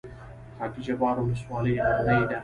خاک جبار ولسوالۍ غرنۍ ده؟